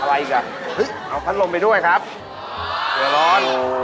อะไรอีกล่ะเอาพัดลมไปด้วยครับเดี๋ยวร้อนโอ้โฮ